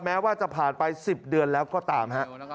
แม้ว่าจะผ่านไป๑๐เดือนแล้วก็ตามฮะ